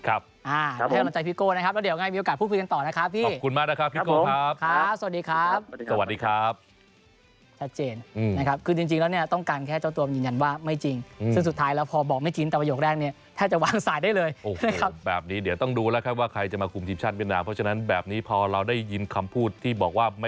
น่าจะมาเป็นตึงหนึ่งเลยนะแบบนี้กับทีมชาติเวียดนาม